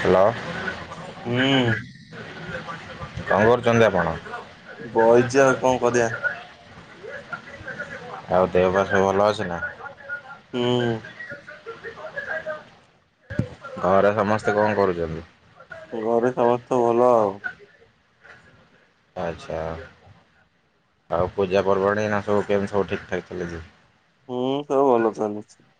Hello. ହୁଁ। କଣ କରୁଛନ୍ତି ଆପଣ? ଆଉ ଦେହପାଅ ସବୁ ଭଲ ଅଛି ନା। ହୁଁ! ଘରେ ସମସ୍ତେ କଣ କରୁଛନ୍ତି? ଘରେ ସମସ୍ତେ ଭଲ ଆଉ। ଆଚ୍ଛା। ଆଉ ପୂଜା ପର୍ବାଣି ନା ସବୁ କେମିତି ସବୁ ଠିକ୍ ଠାକ୍ ଚାଲିଛି। ହୁଁ ସବୁ ଭଲ ଚାଲିଛି।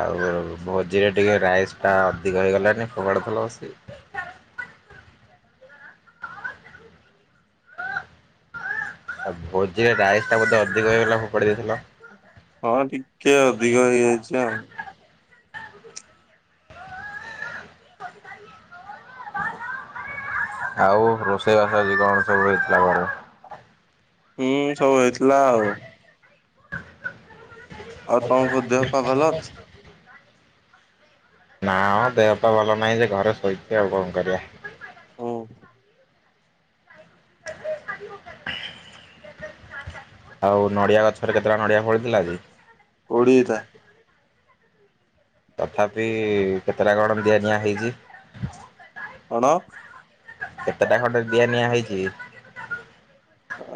ଆଉ ଭୋଜିରେ ଟିକେ ରାଇସ ଟା ଅଧିକ ହେଇଗଲାନି ଫୋପାଡି ଥିଲ। ବସି ଆଉ ଭୋଜିରେ ରାଇସ୍ ଟା ବୋଧେ ଅଧିକ ହେଇଗଲା, ଫୋପାଡି ଦେଇଥିଲ। ନିଜେ ଆଉ। ଆଉ ରୋଷେଇ ବାସ ଆଜି କଣ ସବୁ ହେଇଥିଲା ଘରେ। ହୁଁ। ସବୁ ହେଇଥିଲା ଆଉ। ଆଉ ଆପଣଙ୍କ ଦେହ ପାଅ ଭଲ ଅଛି। ନା ମ ଦେହପାଅ ଭଲ ନାହିଁ ଯେ, ଘରେ ଶୋଇଛି ଆଉ କଣ କରିବା। ହ। ଆ [unintelligible] ଆଉ ନଡିଆ ଗଛରେ କେତେ ଟା ନଡିଆ ଫଳିଥିଲା ଆଜି। ତଥାପି କେତେଟା କଣ ଦିଆ ନିଆ ହେଇଛି। କେତେଟା ଖଣ୍ଡେ ଦିଆ ନିଆଁ ହେଇଛି।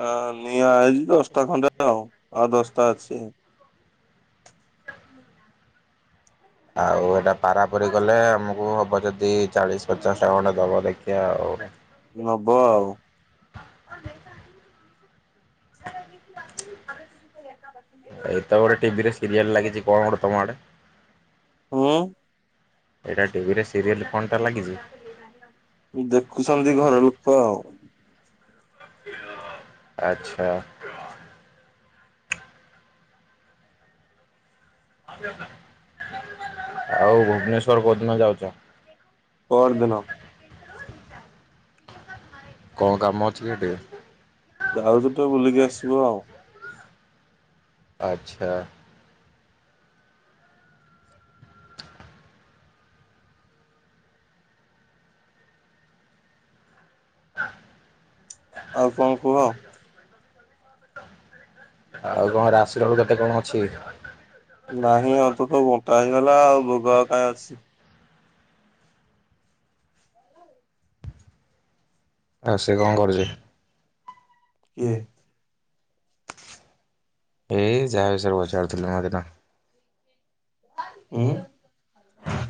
ଆ ନିଆ ହେଇଛି ଦଶଟା ଖଣ୍ଡେ ଆଉ। ଆଉ ଦଶଟା ଅଛି। ଆଉ ଏଇଟା ପାରାପରି କଲେ, ଆମକୁ ହବ ଯଦି ଚାଳିଶ ପଚାଶ ଟା ଖଣ୍ଡେ ଦେବ। ଦେଖି ଏ ଆଉ। ନବ ଆଉ। ସେ [unintelligible] ଆ ଦେଖିଛି କିା ବ [unintelligible] ଏତ ଗୋଟେ ଟିଭିରେ ସିରିଆଲ ଲାଗିଛି। କଣ ଗୋଟେ ତମ ଆଡେ। ଉଁ। ଏଟା ଟିଭି ରେ ସି ଦେଖୁଛନ୍ତି ଘର ଲୋକ ଆଉ। ଆଚ୍ଛା। ଆଉ ଭୁବନେଶ୍ଵର କୋଉଦିନ ଯାଉଛ। ପର ଦିନ। କଣ କାମ ଅଛି କି ଏଠି। ଯାଉଛ ଟିକେ ବୁଲିକି ଆସିବ ଆଉ। ଆଚ୍ଛା। [unintelligible] ଆଉ କଣ ରାଶି ଲଡୁ କେତେ କଣ ଅଛି। ନହିଁ ଆ ତ ବଣ୍ଟା ହେଇଗଲା ଆଉ। ଭୋଗ କାଁ ଅଛି। ଆଉ ସେ କଣ କରୁଛି? ହୁଁ। ଏଇ ଯା ବିଷୟ ରେ ପଚାରୁ ଥିଲି ତା କଥା। ହଁ,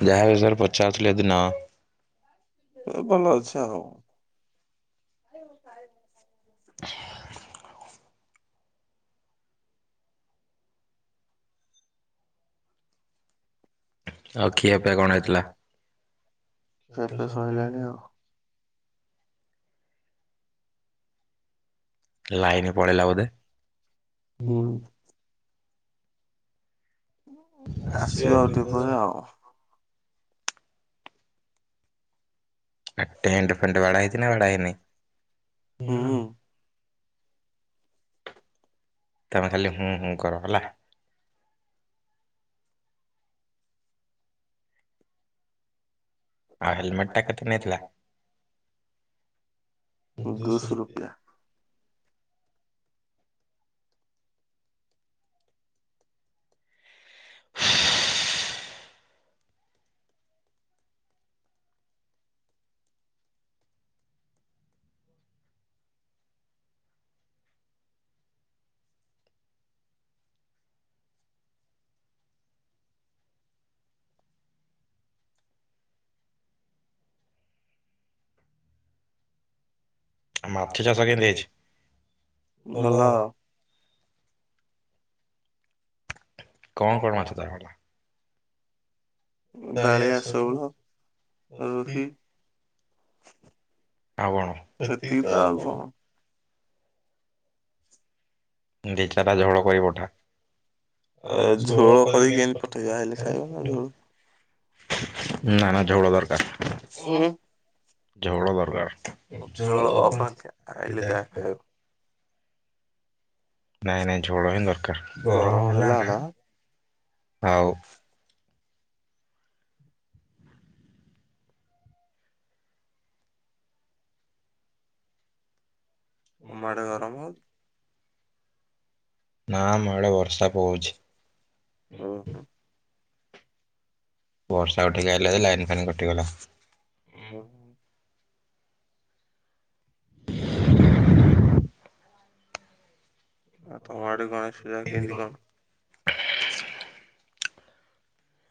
ଯାହାରୁ କି ନ ଏ ଭଲ ଅଛି ଆଉ। [unintelligible] ଆଉ ଖିଆ ପିଆ କଣ ହେଇଥିଲା। ଲାଇନି ପଳେଇଲା ବଧେ। ଆସିବ ଆଉ ଦୁପହରେ ଆଉ। ଆ ଟେଣ୍ଟ ଫେଣ୍ଟ ବାଡା ହେଇଛି ନା ବାଡା ହେଇ ନାଇ। ତମେ ଖାଲି ହୁଁ ହୁଁ କର ହେଲା। ଆ ହେଲମେଟ ଟା କେତେ ନେଇଥିଲା? [unintelligible] [inaudible] ଭଲ। କଣ କଣ ମାଛ ଧରିବା ପାଇଁ ବାଳିଆ ଶଉଳ ରୋହି ଆଉ କଣ? ଦୁ ଚାରା ଝଳ କରି ପଠା ଆ ଝୋଳ ପ ଗାଇ ପଠ ଖାଇ ନା ନା ଝଳ ଦରକାର। ଝୋଳ ବରକାରଝୋଳ ନାଇଁ ନାଇଁ ଝଳା ହିଁ ଦରକାର। ତମ ଆଡେ ଗରମ ହଉ ନା ଆମ ଆଡେ ବର୍ଷା ପକଉଛି। ଓହୋ। ବର୍ଷା ଉଠେଇକି ଆଇଲା ଯେ ଲାଇନ୍ ଫାଇନ୍ କଟିଗଲା। ଓ। ଆଉ ତମ ଆଡେ ଗଣେଶ ପୂଜା କେମିତି କଣ?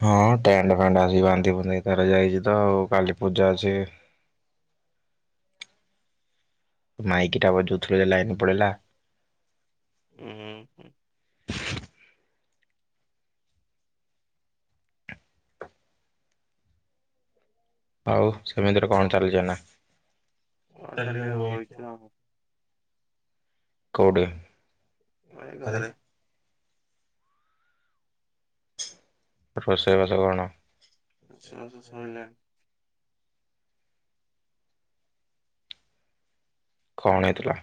ହଁ ଟେଣ୍ଟ ଫେଣ୍ଡ ଆସି ବାନ୍ଧି ବୁନ୍ଧି ତାର ଯାଇଚି ତ ଆଉ, କାଲି ପୂଜା ଅଛି। ମାଇକିଟା ବାଜୁଥିଲା ଯେ ଲାଇନ୍ ପଳେଇଲା। ହୁଁ। [inaudible] କୋଉଟି? [unintelligible] କଣ ହେଇଥିଲା?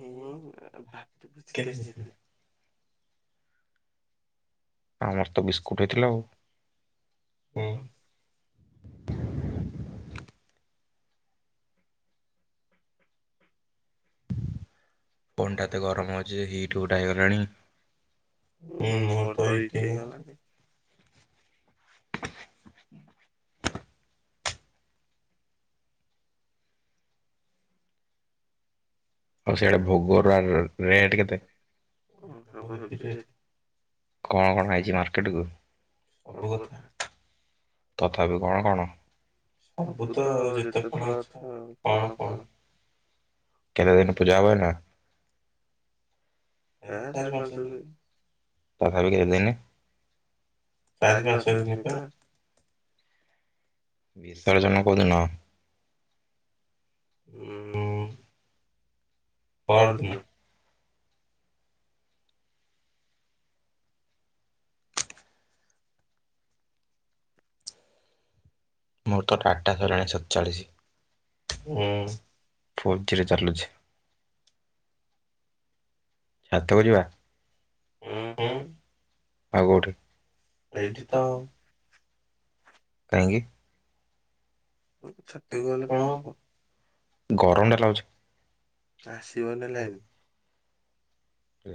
ହୁଁ ଭାବୁିଚି [unintelligible] [inaudible] ଫୋନ୍ଟା ଏତେ ଗରମ୍ ହଉଚି ଯେ ହିଟ୍ ହୁଟା ହେଇଗଲାଣି। ହୁଁ ମୋର ତ ହିଟ୍ ହେଇଗଲାଣି। [inaudible] କଣ କଣ ଅଇଚି ମାର୍କେଟକୁ? ତଥାପି କଣ କଣ? ସବୁ ତ ଯେତେ କଣ ଅଛି ଆଉ କଣ କଣ। କେତେ ଦିନ ପୂଜା ହେବ ଏଇନା? ତଥାପି କେତେ ଦିନ୍? ଚାରି ପାଞ୍ଚ ଦିନ ବା। ବିସର୍ଜନ କୋଉଦିନ? ଉଁ ପରଦିନ। ମୋର ତ ଡାଟା ସରଲାଣି ସତଚାଳିଶି ଉଁ, ଫୋର୍ ଜି ରେ ଚାଲୁଛି। ଭାତ କରିବା ହୁଁ-ହୁଁ ଆଉ କୋଉଠି? ଏଇଠି ତ ଆଉ। କାଇଁକି? ଅଁ, ଛାତୁକୁ ଗଲେ କଣ ହବ? ଗରମ ଟା [unintelligible] ଆସିବ ନା ଲାଇନ୍?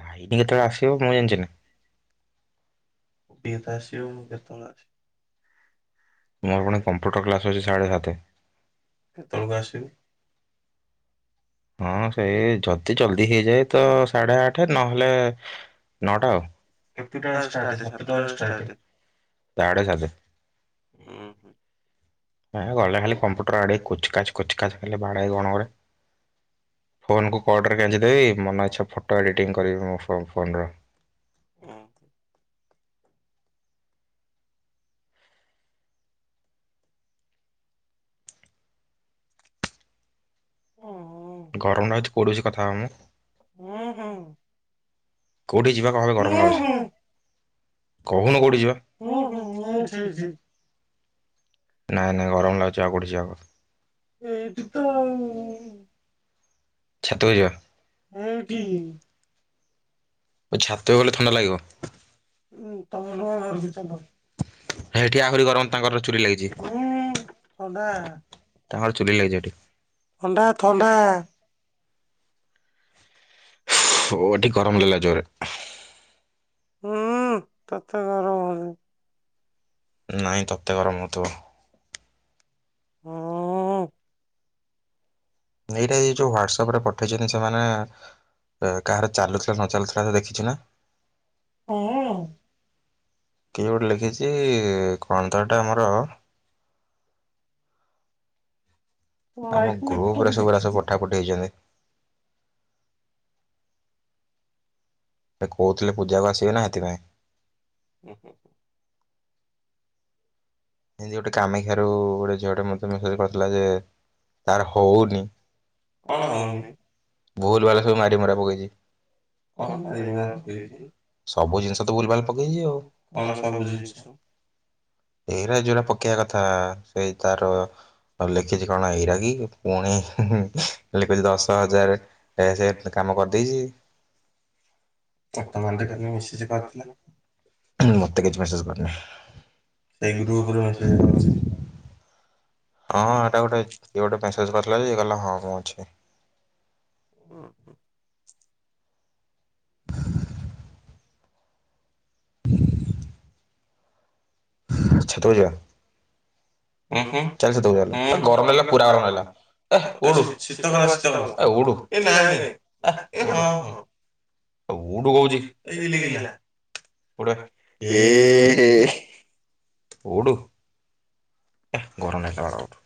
ଲାଇନ୍ କେତେବେଳେ ଆସିବ ମୁଁ ଜାଣିଚି ନା। [unintelligible] ଆସିବ କେତେବଳେ। ମୋର ପୁଣି କମ୍ପ୍ୟୁଟର କ୍ଲାସ୍ ଅଛି ସାଢେ ସାତେ, କେତବେଳକୁ ଆସିବୁ? ହଁ ସେଇ ଯଦି ଜଲଦି ହେଇଯାଏ ତ ସାଢେ ଆଠ, ନହେଲେ ନଅଟା ଆଉ, ସାଢ଼େ ସାତେ। ଅଁ, ହୁଁ। ହଁ ଗଲେ ଖାଲି କମ୍ପ୍ୟୁଟର ଆଡେଇ କୁଚ୍ କାଚ୍ କୁଚ୍ କାଚ୍ ଖାଲି ବାଡ଼େଇବ ନହଲେ। ଫୋନ୍ କୁ କର୍ଡ଼ରେ ଗେଞ୍ଜି ଦେବି ମନ ଇଚ୍ଛା ଫଟୋ ଏଡ଼ିଟିଂ କରିବି ମୋ ଫୋ-ଫୋନ୍ ର। ଅଁ, ହଁ। ଗରମ ଲାଗୁଚି କୋଉଠି ବସି କଥା ହେବି ମୁଁ? ଅଁ, ହଁ [inaudible] କହୁନୁ କୋଉଠି ଯିବା? ନାଇଁ ନାଇଁ ଗରମ ଲାଗୁଛି ଆଉ କୋଉଠି ଯିବା କହ? ଛାତକୁ ଯିବା? ଛାତକୁ ଗଲେ ଥଣ୍ଡା ଲାଗିବ। ଏଠି ଆହୁରି ଗରମ ତାଙ୍କର ଚୁଲି ଅଛି। ତାଙ୍କର ଚୁଲି ଲାଗିଛି ସେଠି। ଥଣ୍ଡା, ଥଣ୍ଡା। ହୋ, ଏଠି ଗରମ ଲାଗିଲା ଜୋରେ। ହଁ ତୋତେ ଗରମ ହଉଚି। ନାଇଁ ତୋତେ ଗରମ ହଉଥିବ। ହଁ। ଏଇଟା ଏ ଯୋଉ ହ୍ୱାଟସଆପ୍ ରେ ପଠେଇଛନ୍ତି ସେମାନେ ଅ, କାହାର ଚାଲୁଥିଲା ନ ଚାଲୁଥିଲା ତ ଦେଖିଛୁ ନା? କିଏ ଗୋଟେ ଲେଖିଛି କଣ ତ ସେଟା ଆମର? ଆମ ଗ୍ରୁପ ରେ ସବୁ ଏଟା ସବୁ ପଠା ପଠି ହେଇଛନ୍ତି। ସେ କହୁଥିଲେ ପୂଜାକୁ ଆସିବେ ନା ସେଥିପାଇଁ। ଅଁ, ହଁ, ହଁ। ଏମିତି ଗୋଟେ କାମାକ୍ଷାରୁ ଗୋଟେ ଝିଅଟେ ମୋତେ ମେସେଜ୍ କରିଥିଲା ଯେ ତାର ହଉନି। କଣ ହଉନି? କଣ ମାରି ମୁରା ପକେଇଛି? ସବୁ ଜିନିଷ ତ ଭୁଲଭାଲ ପକେଇଛି ଆଉ। ଏଇଟା ଯୋଉଟା ପକେଇବା କଥା ସେଇ ତାର ଆଉ ଲେଖିଛି କଣ ଏଇରା କି, ପୁଣି ଲେଖୁଛି ଦଶ ହଜାର। ଏ ସେ ଏତେ କାମ କରିଦେଇଛି। ହ ତୋତେ ନା [unintelligible] ମେସେଜେ କରିଥିଲା। ସେଇ ଗ୍ରୁପ୍ ରୁ ମେସେଜେ କରଛି। ହଁ ଏଟା ଗୋଟେ କିଏ ଗୋଟେ ମେସେଜ୍ କରିଥିଲା ଯେ, ଇଏ କହିଲ ହଁ ମୁଁ ଅଛି। ଉଁ ଉଁ। ଛାତକୁ ଯିବା? ଚାଲେ ଛାତକୁ ଚାଲେ ଗରମ୍ ଲାଗିଲା ପୁରା ଗରମ୍ ଲାଗିଲା। ଉଡୁ ଶୀତ କଲା ଶୀତ କ ଉଡୁ ଏ ନାଇଁ ନାଇଁ ହଁ ହଁ। ଆଉ ଉଠୁ କହୁଛି [unintelligible] ଉୁଠୁ। [unintelligible]